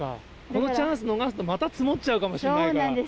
このチャンス逃すと、また積もっちゃうかもしれないから。